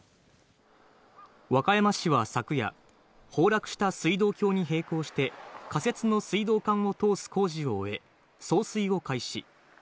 和歌山市は昨夜、崩落した水道橋に並行して仮設の水道管を通す工事を終え、送水を開始。